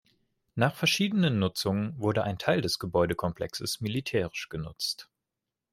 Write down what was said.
Nach verschiedenen Nutzungen wurde ein Teil des Gebäudekomplexes militärisch genutzt.